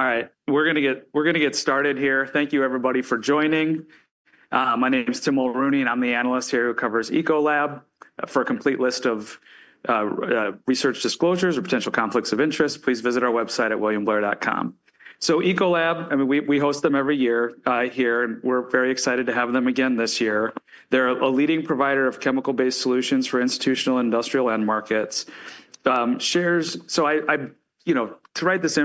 All right, we're going to get started here. Thank you, everybody, for joining. My name is Tim Mulrooney, and I'm the analyst here who covers Ecolab. For a complete list of research disclosures or potential conflicts of interest, please visit our website at williamblair.com. So Ecolab, I mean, we host them every year here, and we're very excited to have them again this year. They're a leading provider of chemical-based solutions for institutional, industrial, and markets. Shares, so I, you know, to write this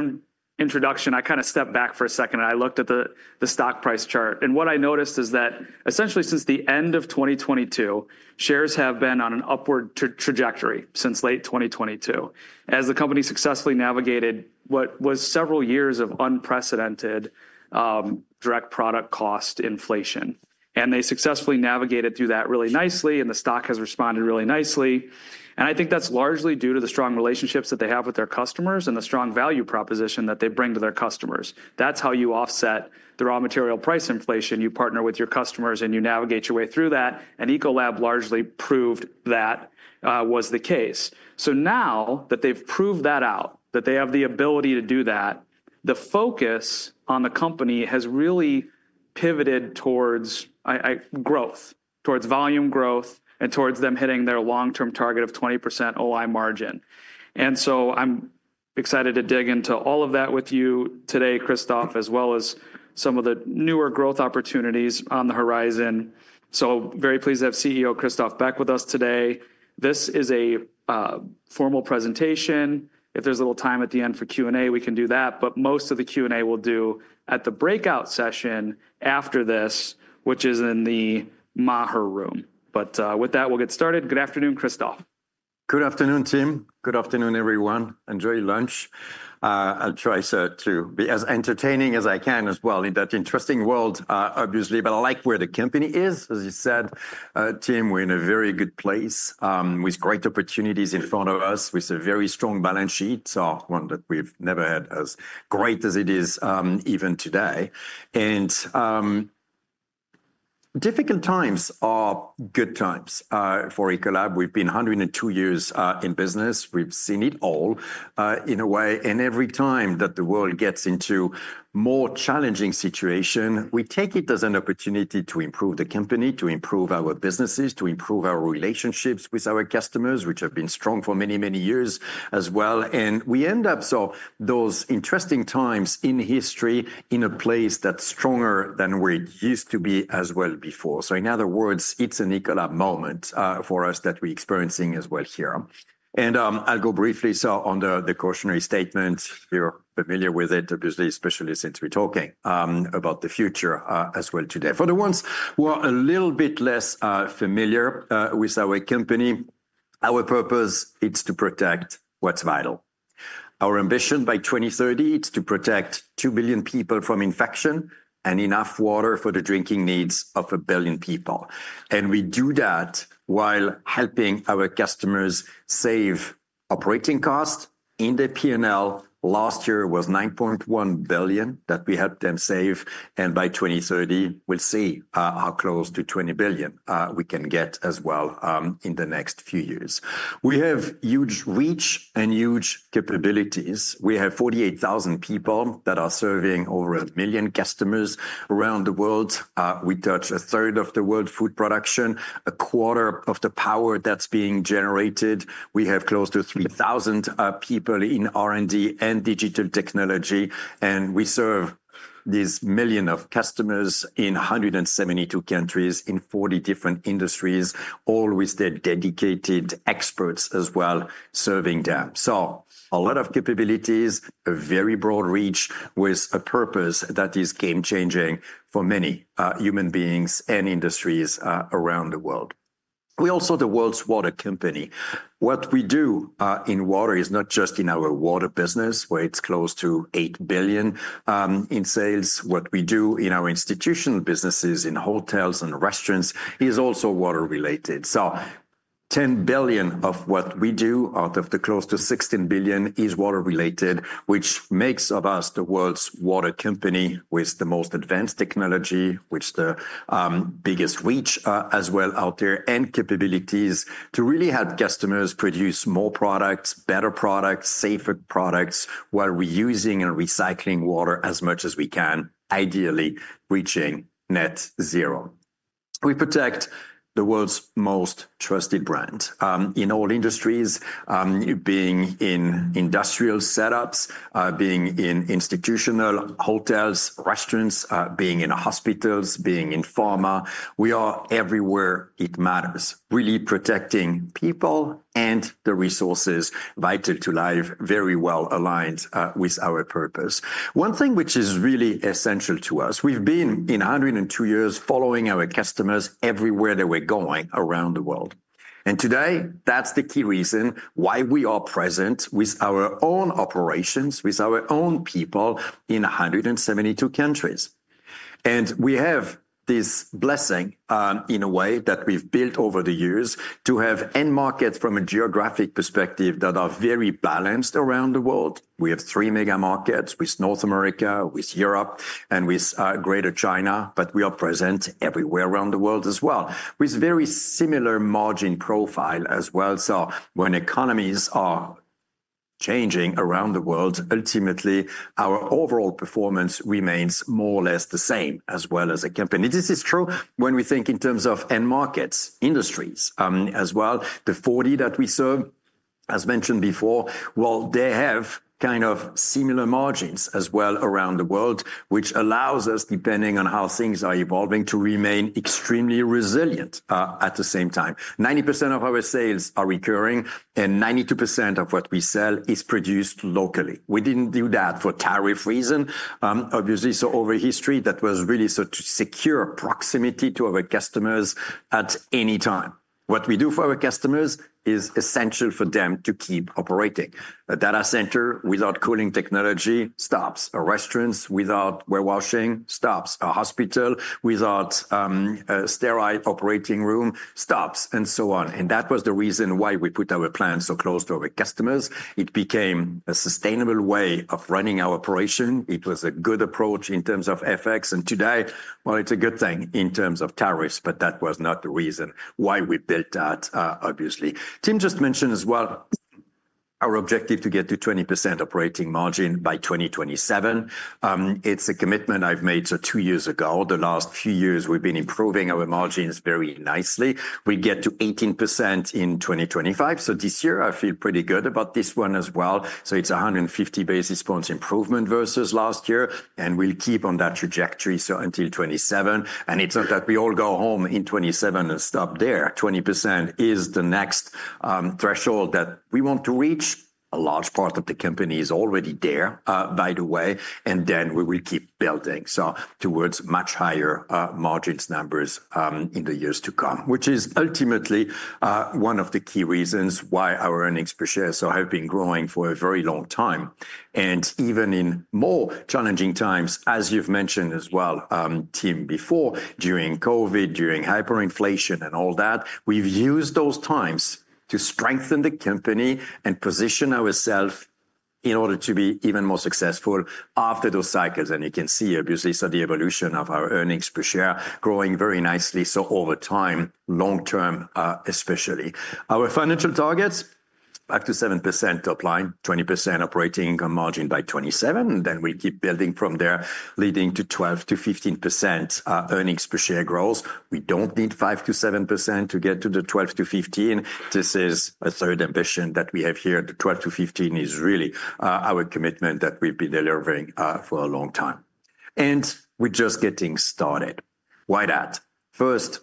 introduction, I kind of stepped back for a second, and I looked at the stock price chart. What I noticed is that essentially since the end of 2022, shares have been on an upward trajectory since late 2022, as the company successfully navigated what was several years of unprecedented direct product cost inflation. They successfully navigated through that really nicely, and the stock has responded really nicely. I think that's largely due to the strong relationships that they have with their customers and the strong value proposition that they bring to their customers. That's how you offset the raw material price inflation. You partner with your customers, and you navigate your way through that. Ecolab largely proved that was the case. Now that they've proved that out, that they have the ability to do that, the focus on the company has really pivoted towards growth, towards volume growth, and towards them hitting their long-term target of 20% OI margin. I'm excited to dig into all of that with you today, Christophe, as well as some of the newer growth opportunities on the horizon. I am very pleased to have CEO Christophe Beck with us today. This is a formal presentation. If there's a little time at the end for Q&A, we can do that. Most of the Q&A we'll do at the breakout session after this, which is in the Maher room. With that, we'll get started. Good afternoon, Christophe. Good afternoon, Tim. Good afternoon, everyone. Enjoy lunch. I'll try to be as entertaining as I can as well in that interesting world, obviously. I like where the company is, as you said, Tim. We're in a very good place with great opportunities in front of us, with a very strong balance sheet, one that we've never had as great as it is even today. Difficult times are good times for Ecolab. We've been 102 years in business. We've seen it all in a way. Every time that the world gets into a more challenging situation, we take it as an opportunity to improve the company, to improve our businesses, to improve our relationships with our customers, which have been strong for many, many years as well. We end up, so those interesting times in history in a place that's stronger than we used to be as well before. In other words, it's an Ecolab moment for us that we're experiencing as well here. I'll go briefly on the cautionary statement. You're familiar with it, obviously, especially since we're talking about the future as well today. For the ones who are a little bit less familiar with our company, our purpose is to protect what's vital. Our ambition by 2030 is to protect 2 billion people from infection and enough water for the drinking needs of a billion people. We do that while helping our customers save operating costs. In the P&L, last year was $9.1 billion that we helped them save. By 2030, we'll see how close to $20 billion we can get as well in the next few years. We have huge reach and huge capabilities. We have 48,000 people that are serving over a million customers around the world. We touch a third of the world's food production, a quarter of the power that's being generated. We have close to 3,000 people in R&D and Digital Technology. We serve this million of customers in 172 countries in 40 different industries, all with their dedicated experts as well serving them. A lot of capabilities, a very broad reach with a purpose that is game-changing for many human beings and industries around the world. We are also the world's water company. What we do in water is not just in our water business, where it is close to $8 billion in sales. What we do in our institutional businesses, in hotels and restaurants, is also water-related. Ten billion of what we do, out of the close to $16 billion, is water-related, which makes us the world's water company with the most advanced technology, which is the biggest reach as well out there, and capabilities to really help customers produce more products, better products, safer products while reusing and recycling water as much as we can, ideally reaching net zero. We protect the world's most trusted brand in all industries, being in industrial setups, being in institutional hotels, restaurants, being in hospitals, being in pharma. We are everywhere it matters, really protecting people and the resources vital to life, very well aligned with our purpose. One thing which is really essential to us, we've been in 102 years following our customers everywhere that we're going around the world. Today, that's the key reason why we are present with our own operations, with our own people in 172 countries. We have this blessing in a way that we've built over the years to have end markets from a geographic perspective that are very balanced around the world. We have three mega markets with North America, with Europe, and with Greater China. We are present everywhere around the world as well with very similar margin profile as well. When economies are changing around the world, ultimately, our overall performance remains more or less the same as well as a company. This is true when we think in terms of end markets, industries as well. The 40 that we serve, as mentioned before, they have kind of similar margins as well around the world, which allows us, depending on how things are evolving, to remain extremely resilient at the same time. 90% of our sales are recurring, and 92% of what we sell is produced locally. We did not do that for tariff reasons, obviously. Over history, that was really such a secure proximity to our customers at any time. What we do for our customers is essential for them to keep operating. A data center without cooling technology stops. A restaurant without warehousing stops. A hospital without a sterile operating room stops, and so on. That was the reason why we put our plants so close to our customers. It became a sustainable way of running our operation. It was a good approach in terms of effects. It is a good thing in terms of tariffs. That was not the reason why we built that, obviously. Tim just mentioned as well our objective to get to 20% operating margin by 2027. It is a commitment I have made two years ago. The last few years, we have been improving our margins very nicely. We get to 18% in 2025. This year, I feel pretty good about this one as well. It is 150 basis points improvement versus last year. We will keep on that trajectory until 2027. It is not that we all go home in 2027 and stop there. 20% is the next threshold that we want to reach. A large part of the company is already there, by the way. We will keep building towards much higher margin numbers in the years to come, which is ultimately one of the key reasons why our earnings per share have been growing for a very long time. Even in more challenging times, as you have mentioned as well, Tim, before, during COVID, during hyperinflation, and all that, we have used those times to strengthen the company and position ourselves in order to be even more successful after those cycles. You can see, obviously, the evolution of our earnings per share growing very nicely over time, long term especially. Our financial targets are back to 7% top line, 20% operating income margin by 2027. We keep building from there, leading to 12%-15% earnings per share growth. We do not need 5%-7% to get to the 12%-15%. This is a third ambition that we have here. The 12%-15% is really our commitment that we've been delivering for a long time. We're just getting started. Why that? First,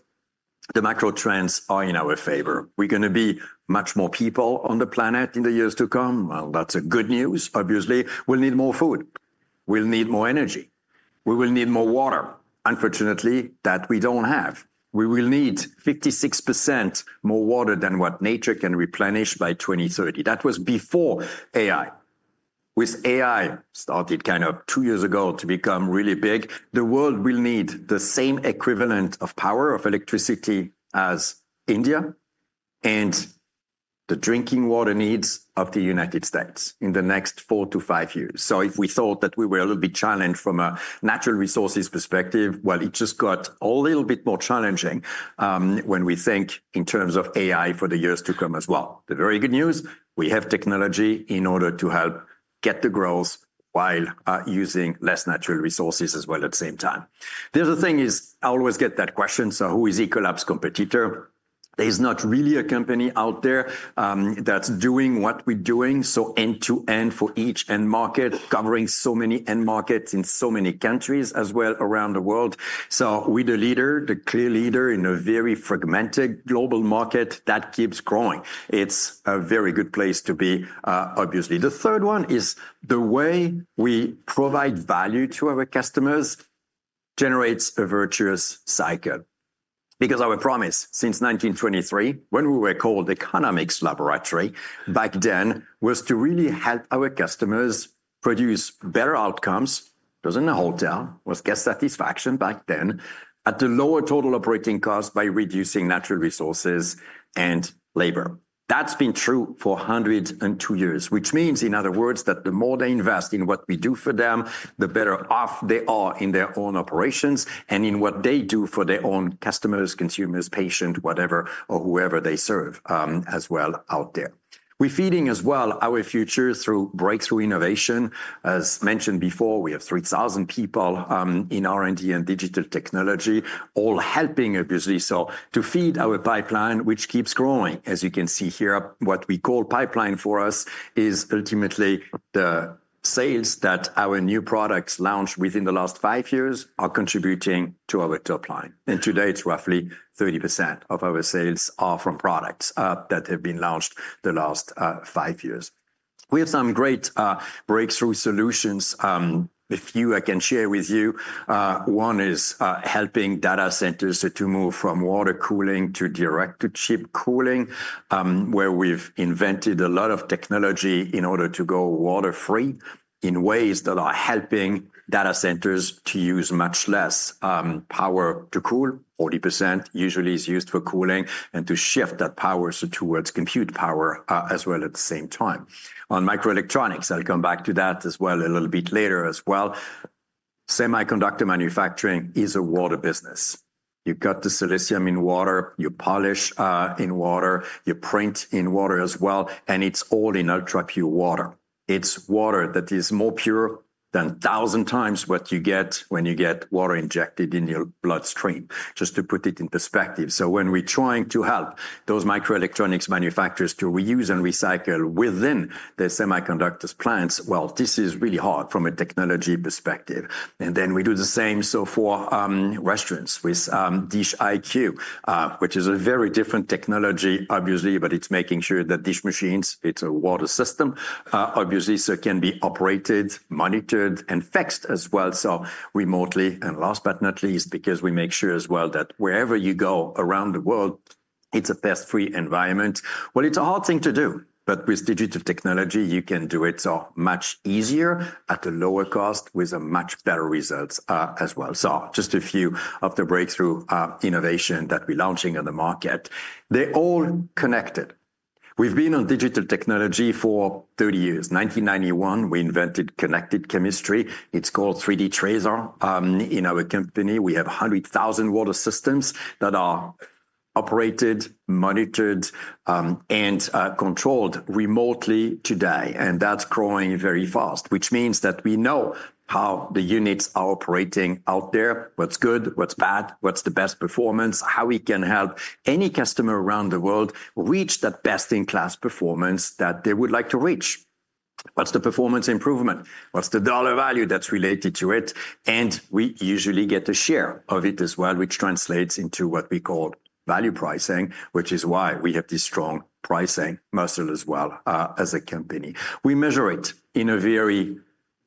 the macro trends are in our favor. We're going to be much more people on the planet in the years to come. That's good news, obviously. We'll need more food. We'll need more energy. We will need more water. Unfortunately, that we don't have. We will need 56% more water than what nature can replenish by 2030. That was before AI. With AI started kind of two years ago to become really big, the world will need the same equivalent of power, of electricity, as India and the drinking water needs of the United States in the next four to five years. If we thought that we were a little bit challenged from a natural resources perspective, it just got a little bit more challenging when we think in terms of AI for the years to come as well. The very good news, we have technology in order to help get the growth while using less natural resources as well at the same time. The other thing is I always get that question, who is Ecolab's competitor? There's not really a company out there that's doing what we're doing end-to-end for each end market, covering so many end markets in so many countries as well around the world. We're the leader, the clear leader in a very fragmented global market that keeps growing. It's a very good place to be, obviously. The third one is the way we provide value to our customers generates a virtuous cycle. Because our promise since 1923, when we were called Economics Laboratory back then, was to really help our customers produce better outcomes, does not a hotel, was guest satisfaction back then at the lower total operating cost by reducing natural resources and labor. That has been true for 102 years, which means, in other words, that the more they invest in what we do for them, the better off they are in their own operations and in what they do for their own customers, consumers, patients, whatever, or whoever they serve as well out there. We are feeding as well our future through breakthrough innovation. As mentioned before, we have 3,000 people in R&D and Digital Technology, all helping, obviously, to feed our pipeline, which keeps growing. As you can see here, what we call pipeline for us is ultimately the sales that our new products launch within the last five years are contributing to our top line. Today, it's roughly 30% of our sales are from products that have been launched the last five years. We have some great breakthrough solutions. A few I can share with you. One is helping data centers to move from water cooling to Direct-to-chip cooling, where we've invented a lot of technology in order to go water-free in ways that are helping data centers to use much less power to cool. 40% usually is used for cooling and to shift that power towards compute power as well at the same time. On microelectronics, I'll come back to that as well a little bit later as well. Semiconductor manufacturing is a water business. You cut the silicon in water, you polish in water, you print in water as well. It is all in ultra-pure water. It is water that is more pure than 1,000 times what you get when you get water injected in your bloodstream, just to put it in perspective. When we are trying to help those microelectronics manufacturers to reuse and recycle within their semiconductor plants, this is really hard from a technology perspective. We do the same for restaurants with DishIQ, which is a very different technology, obviously, but it is making sure that dish machines, it is a water system, obviously, so can be operated, monitored, and fixed as well remotely. Last but not least, we make sure as well that wherever you go around the world, it is a pest-free environment. It is a hard thing to do, but with Digital Technology, you can do it much easier at a lower cost with much better results as well. Just a few of the breakthrough innovations that we are launching on the market. They are all connected. We have been on Digital Technology for 30 years. In 1991, we invented Connected Chemistry. It's called 3D TRACER in our company. We have 100,000 water systems that are operated, monitored, and controlled remotely today. That is growing very fast, which means that we know how the units are operating out there, what is good, what is bad, what is the best performance, how we can help any customer around the world reach that best-in-class performance that they would like to reach. What is the performance improvement? What is the dollar value that is related to it? We usually get a share of it as well, which translates into what we call value pricing, which is why we have this strong pricing muscle as well as a company. We measure it in a very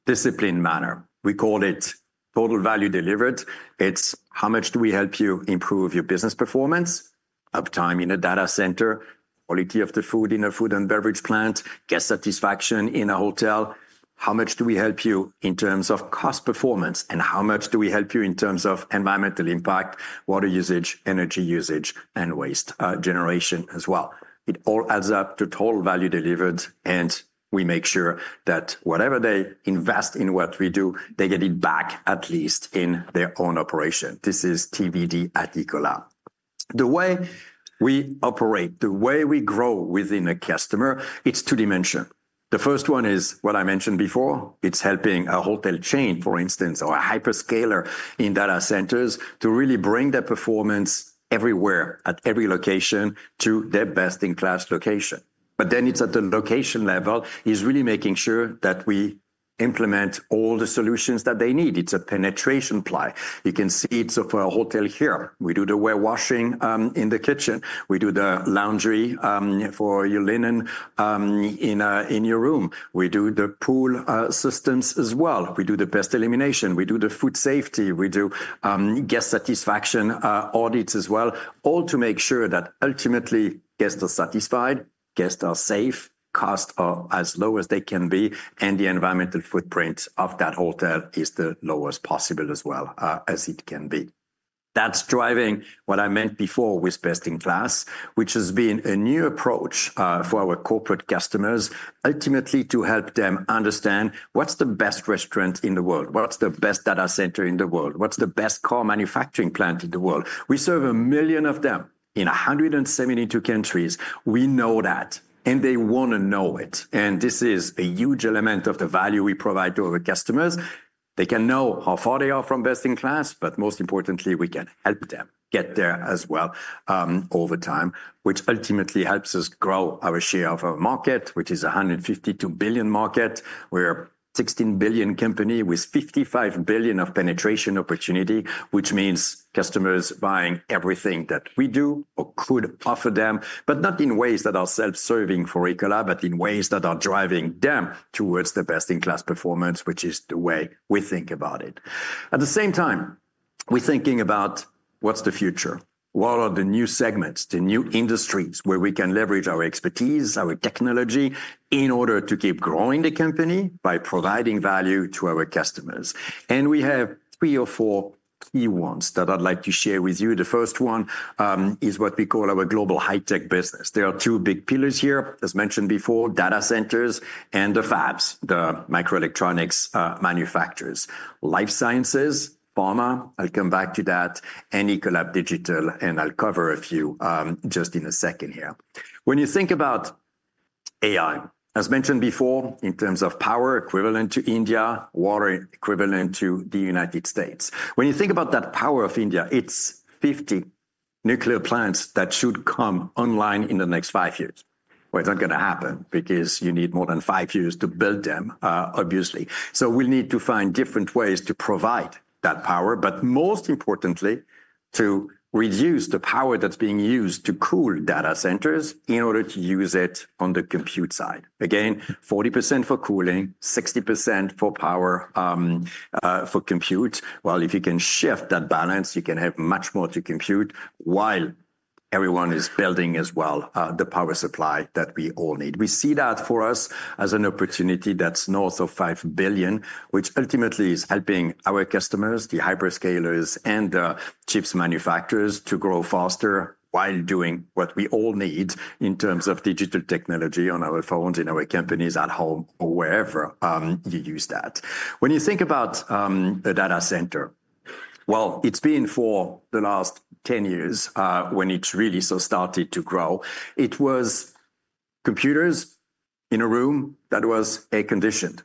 disciplined manner. We call it total value delivered. It's is how much do we help you improve your business performance, uptime in a data center, quality of the food in a food and beverage plant, guest satisfaction in a hotel. How much do we help you in terms of cost performance? How much do we help you in terms of environmental impact, water usage, energy usage, and waste generation as well? It all adds up to total value delivered and We make sure that whatever they invest in what we do, they get it back at least in their own operation. This is TVD at Ecolab. The way we operate, the way we grow within a customer, it's two-dimension. The first one is what I mentioned before. It's helping a hotel chain, for instance, or a hyperscaler in data centers to really bring their performance everywhere at every location to their best-in-class location. At the location level, it's really making sure that we implement all the solutions that they need. It's a penetration play. You can see it for a hotel here. We do the ware washing in the kitchen. We do the laundry for your linen in your room. We do the pool systems as well. We do the pest elimination. We do the food safety. We do guest satisfaction audits as well, all to make sure that ultimately guests are satisfied, guests are safe, costs are as low as they can be, and the environmental footprint of that hotel is the lowest possible as well as it can be. That is driving what I meant before with best-in-class, which has been a new approach for our corporate customers, ultimately to help them understand what is the best restaurant in the world, what is the best data center in the world, what is the best car manufacturing plant in the world. We serve a million of them in 172 countries. We know that, and they want to know it. This is a huge element of the value we provide to our customers. They can know how far they are from best-in-class, but most importantly, we can help them get there as well over time, which ultimately helps us grow our share of our market, which is a $152 billion market. We're a $16 billion company with $55 billion of penetration opportunity, which means customers buying everything that we do or could offer them, but not in ways that are self-serving for Ecolab, but in ways that are driving them towards the best-in-class performance, which is the way we think about it. At the same time, we're thinking about what's the future. What are the new segments, the new industries where we can leverage our expertise, our technology in order to keep growing the company by providing value to our customers? And we have three or four key ones that I'd like to share with you. The first one is what we call our global high-tech business. There are two big pillars here, as mentioned before, data centers and the fabs, the microelectronics manufacturers, life sciences, pharma. I'll come back to that and Ecolab Digital, and I'll cover a few just in a second here. When you think about AI, as mentioned before, in terms of power equivalent to India, water equivalent to the United States. when you think about that power of India, it's 50 nuclear plants that should come online in the next five years. It is not going to happen because you need more than five years to build them, obviously. We will need to find different ways to provide that power, but most importantly, to reduce the power that's being used to cool data centers in order to use it on the compute side. Again, 40% for cooling, 60% for power for compute. If you can shift that balance, you can have much more to compute while everyone is building as well the power supply that we all need. We see that for us as an opportunity that's north of $5 billion, which ultimately is helping our customers, the hyperscalers and the chips manufacturers to grow faster while doing what we all need in terms of Digital Technology on our phones, in our companies, at home, or wherever you use that. When you think about a data center, it has been for the last 10 years when it really so started to grow. It was computers in a room that was air-conditioned.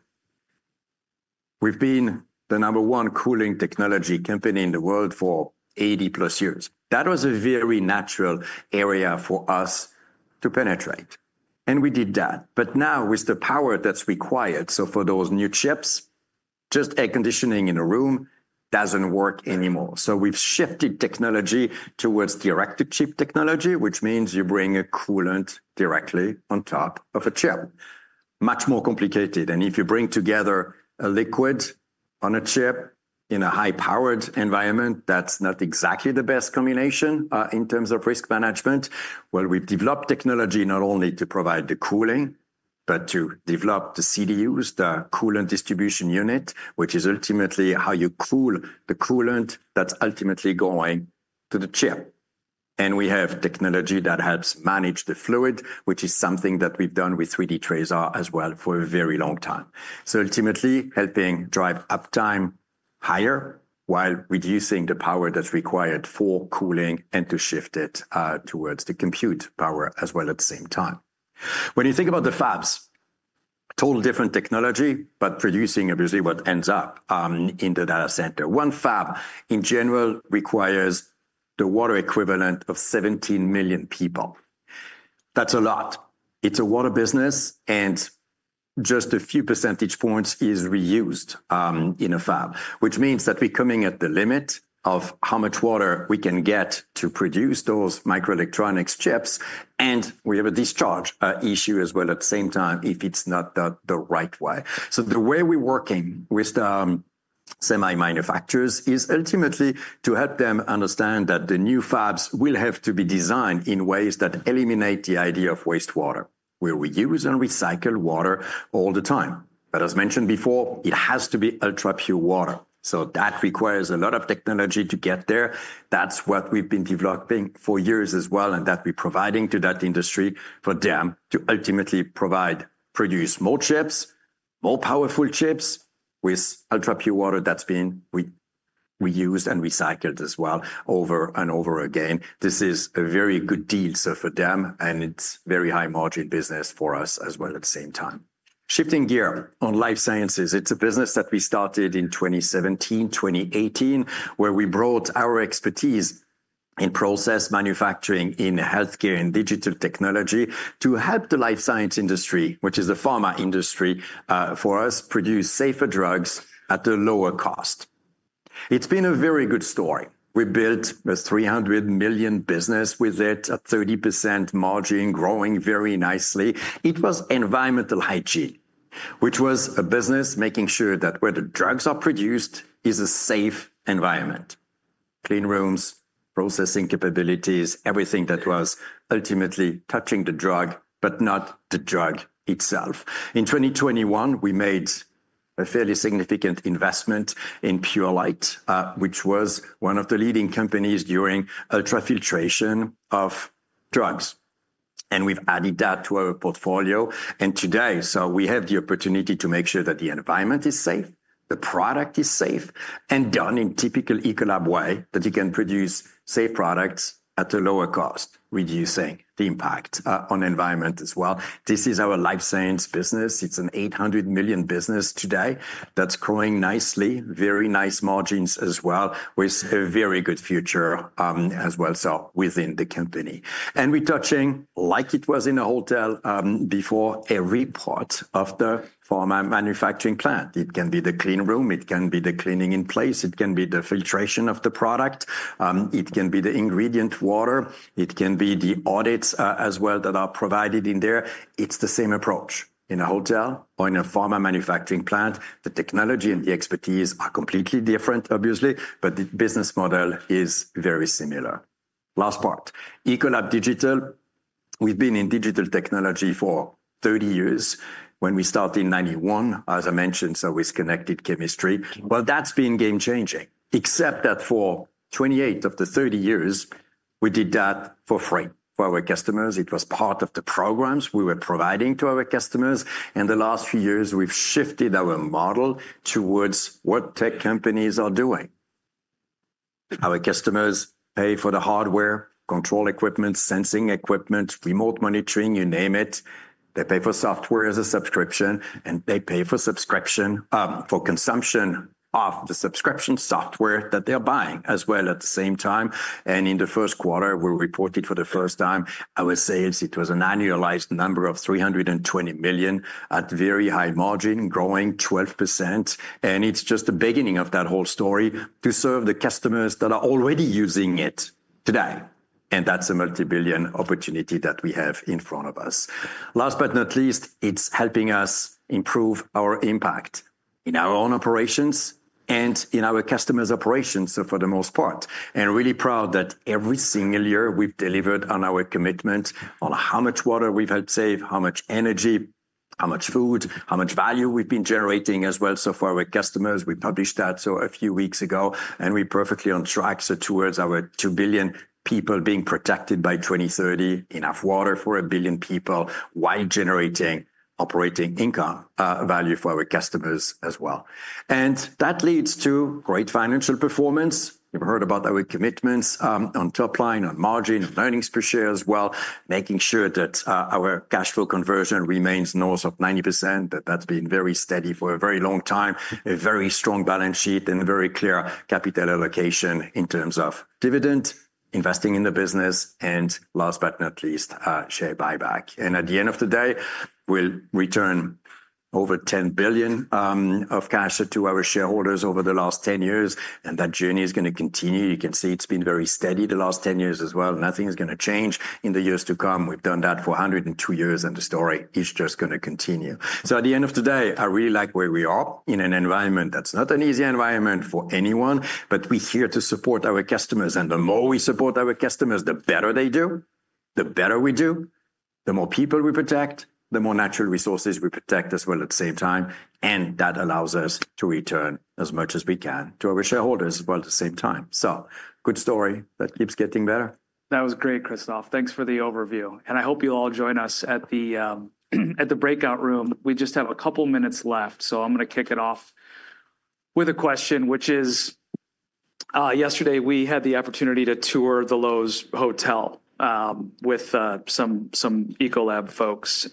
We have been the number one cooling technology company in the world for 80+ years. That was a very natural area for us to penetrate. We did that. Now with the power that's required, for those new chips, just air-conditioning in a room doesn't work anymore. We have shifted technology towards direct-to-chip technology, which means you bring a coolant directly on top of a chip. Much more complicated. If you bring together a liquid on a chip in a high-powered environment, that's not exactly the best combination in terms of risk management. We have developed technology not only to provide the cooling, but to develop the CDUs, the Coolant Distribution Unit, which is ultimately how you cool the coolant that's ultimately going to the chip. We have technology that helps manage the fluid, which is something that we've done with 3D TRACER as well for a very long time. Ultimately helping drive uptime higher while reducing the power that's required for cooling and to shift it towards the compute power as well at the same time. When you think about the fabs, total different technology, but producing obviously what ends up in the data center. One fab in general requires the water equivalent of 17 million people. That's a lot. It's a water business, and just a few percentage points is reused in a fab, which means that we're coming at the limit of how much water we can get to produce those microelectronics chips. We have a discharge issue as well at the same time if it's not the right way. The way we're working with semi-manufacturers is ultimately to help them understand that the new fabs will have to be designed in ways that eliminate the idea of wastewater, where we use and recycle water all the time. As mentioned before, it has to be ultra-pure water. That requires a lot of technology to get there. That's what we've been developing for years as well, and that we're providing to that industry for them to ultimately produce more chips, more powerful chips with ultra-pure water that's been reused and recycled as well over and over again. This is a very good deal for them, and it's a very high-margin business for us as well at the same time. Shifting gear on life sciences. It's a business that we started in 2017, 2018, where we brought our expertise in process manufacturing in healthcare and Digital Technology to help the life science industry, which is the pharma industry for us, produce safer drugs at a lower cost. It's been a very good story. We built a $300 million business with it, a 30% margin growing very nicely. It was environmental hygiene, which was a business making sure that where the drugs are produced is a safe environment, clean rooms, processing capabilities, everything that was ultimately touching the drug, but not the drug itself. In 2021, we made a fairly significant investment in Pure Light, which was one of the leading companies doing ultrafiltration of drugs. We have added that to our portfolio. We have the opportunity to make sure that the environment is safe, the product is safe, and done in a typical Ecolab way that you can produce safe products at a lower cost, reducing the impact on the environment as well. This is our life science business. It is an $800 million business today that is growing nicely, very nice margins as well, with a very good future as well within the company. We are touching, like it was in a hotel before, every part of the pharma manufacturing plant. It can be the clean room, it can be the clean-in-place, it can be the filtration of the product, it can be the ingredient water, it can be the audits as well that are provided in there. It is the same approach in a hotel or in a pharma manufacturing plant. The technology and the expertise are completely different, obviously, but the business model is very similar. Last part, Ecolab Digital. We've been in Digital Technology for 30 years when we started in 1991, as I mentioned, with Connected Chemistry. That has been game-changing, except that for 28 of the 30 years, we did that for free for our customers. It was part of the programs we were providing to our customers. In the last few years, we've shifted our model towards what tech companies are doing. Our customers pay for the hardware, control equipment, sensing equipment, Remote Monitoring, you name it. They pay for software as a subscription, and they pay for subscription for consumption of the subscription software that they're buying as well at the same time. In the first quarter, we reported for the first time our sales. It was an annualized number of $320 million at very high margin, growing 12%. It is just the beginning of that whole story to serve the customers that are already using it today. That is a multi-billion opportunity that we have in front of us. Last but not least, it is helping us improve our impact in our own operations and in our customers' operations, for the most part. I am really proud that every single year we have delivered on our commitment on how much water we have helped save, how much energy, how much food, how much value we have been generating as well. For our customers, we published that a few weeks ago, and we are perfectly on track towards our 2 billion people being protected by 2030, enough water for a billion people while generating operating income value for our customers as well. That leads to great financial performance. You've heard about our commitments on top line, on margin, on earnings per share as well, making sure that our cash flow conversion remains north of 90%, that that's been very steady for a very long time, a very strong balance sheet, and a very clear capital allocation in terms of dividend, investing in the business, and last but not least, share buyback. At the end of the day, we'll return over $10 billion of cash to our shareholders over the last 10 years. That journey is going to continue. You can see it's been very steady the last 10 years as well. Nothing is going to change in the years to come. We've done that for 102 years, and the story is just going to continue. At the end of the day, I really like where we are in an environment that's not an easy environment for anyone, but we're here to support our customers. The more we support our customers, the better they do, the better we do, the more people we protect, the more natural resources we protect as well at the same time. That allows us to return as much as we can to our shareholders as well at the same time. Good story that keeps getting better. That was great, Christophe. Thanks for the overview. I hope you'll all join us at the breakout room. We just have a couple of minutes left. I'm going to kick it off with a question, which is yesterday we had the opportunity to tour the Loews Hotels with some Ecolab folks.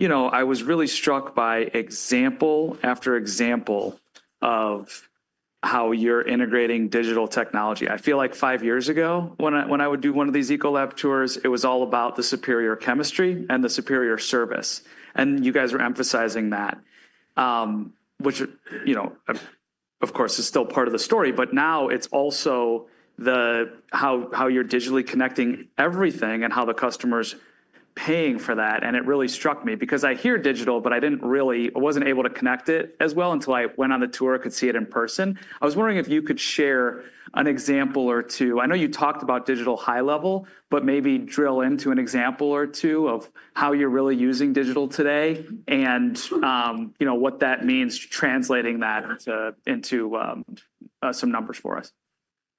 You know, I was really struck by example after example of how you're integrating Digital Technology. I feel like five years ago when I would do one of these Ecolab tours, it was all about the superior chemistry and the superior service. You guys were emphasizing that, which, you know, of course, is still part of the story. Now it is also how you're digitally connecting everything and how the customer's paying for that. It really struck me because I hear digital, but I did not really, I was not able to connect it as well until I went on the tour. I could see it in person. I was wondering if you could share an example or two. I know you talked about digital high level, but maybe drill into an example or two of how you're really using digital today and you know what that means, translating that into some numbers for us.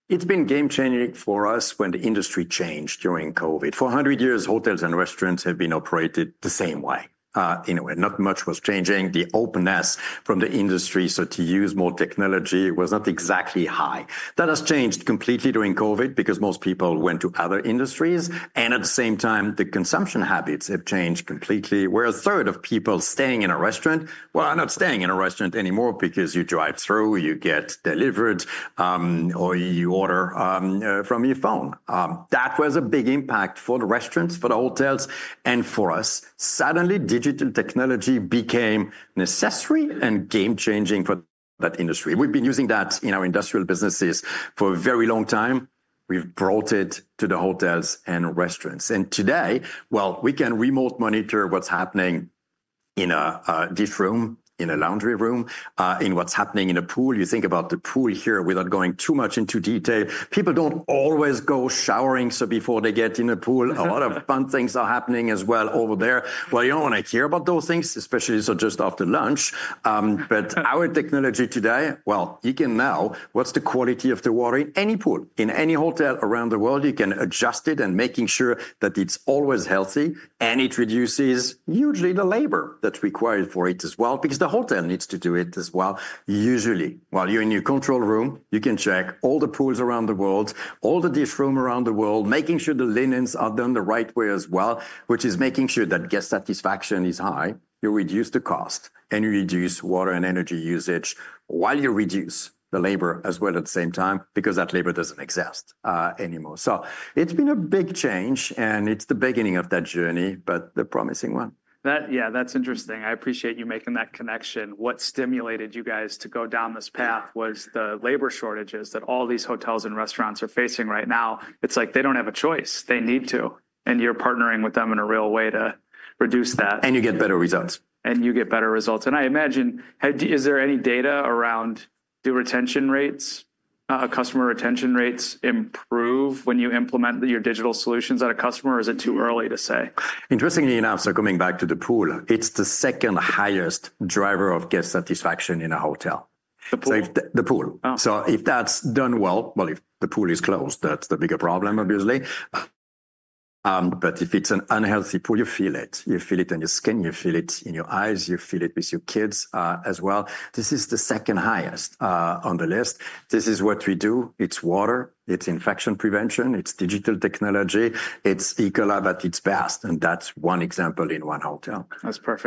It's been game-changing for us when the industry changed during COVID. For 100 years, hotels and restaurants have been operated the same way. Not much was changing. The openness from the industry to use more technology was not exactly high. That has changed completely during COVID because most people went to other industries. At the same time, the consumption habits have changed completely, where a third of people staying in a restaurant, are not staying in a restaurant anymore because you drive through, you get delivered, or you order from your phone. That was a big impact for the restaurants, for the hotels, and for us. Suddenly, Digital Technology became necessary and game-changing for that industry. We've been using that in our industrial businesses for a very long time. We've brought it to the hotels and restaurants. Today, we can remote monitor what's happening in a dish room, in a laundry room, in what's happening in a pool. You think about the pool here without going too much into detail. People don't always go showering before they get in a pool. A lot of fun things are happening as well over there. You don't want to hear about those things, especially just after lunch. Our technology today, you can now, what's the quality of the water in any pool, in any hotel around the world? You can adjust it and make sure that it's always healthy. It reduces usually the labor that's required for it as well because the hotel needs to do it as well. Usually, while you're in your control room, you can check all the pools around the world, all the dish room around the world, making sure the linens are done the right way as well, which is making sure that guest satisfaction is high. You reduce the cost and you reduce water and energy usage while you reduce the labor as well at the same time because that labor doesn't exist anymore. It has been a big change, and it's the beginning of that journey, but the promising one. Yeah, that's interesting. I appreciate you making that connection. What stimulated you guys to go down this path was the labor shortages that all these hotels and restaurants are facing right now. It's like they don't have a choice. They need to. You are partnering with them in a real way to reduce that. You get better results. You get better results. I imagine, is there any data around do retention rates, customer retention rates improve when you implement your digital solutions at a customer? Or is it too early to say? Interestingly enough, coming back to the pool, it is the second highest driver of guest satisfaction in a hotel. The pool. The pool. If that is done well, if the pool is closed, that is the bigger problem, obviously. If it is an unhealthy pool, you feel it. You feel it in your skin. You feel it in your eyes. You feel it with your kids as well. This is the second highest on the list. This is what we do. It is water. It is infection prevention. It is Digital Technology. it is Ecolab at its best. That's one example in one hotel. That's perfect.